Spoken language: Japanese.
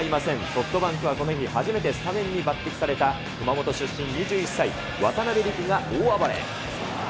ソフトバンクはこの日初めてスタメンに抜てきされた、熊本出身２１歳、渡邉陸が大暴れ。